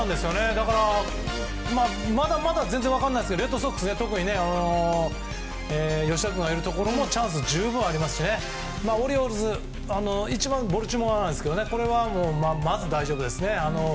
まだまだ全然分からないですけどレッドソックス吉田君がいるところはチャンス十分ありますしオリオールズは一番はボルティモアなんですがまず大丈夫ですね。